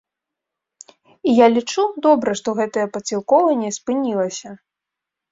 І я лічу, добра, што гэтае падсілкоўванне спынілася.